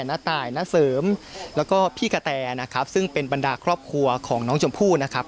น้าตายณเสริมแล้วก็พี่กะแตนะครับซึ่งเป็นบรรดาครอบครัวของน้องชมพู่นะครับ